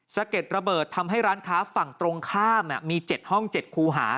สะเก็ดระเบิดทำให้ร้านค้าฝั่งตรงข้ามมี๗ห้อง๗คูหา